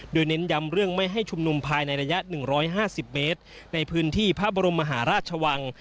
โดยเน้นย้ำเรื่องไม่ให้ชุมนุมภายในระยะ๑๕๐เมตรในพื้นที่พระบรมมหาราชวัง